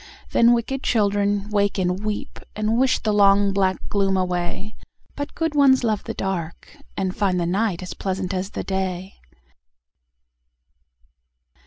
Then wicked children wake and weep, And wish the long black gloom away; But good ones love the dark, and find The night as pleasant as the day.